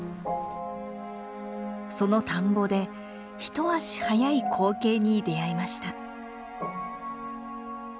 その田んぼで一足早い光景に出会いました。